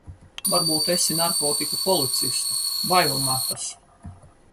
Varbūt esi narkotiku policiste, bail metas.